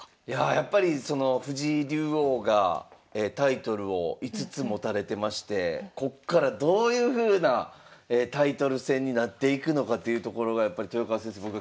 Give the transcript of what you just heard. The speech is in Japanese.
いややっぱり藤井竜王がタイトルを５つ持たれてましてこっからどういうふうなタイトル戦になっていくのかというところがやっぱり豊川先生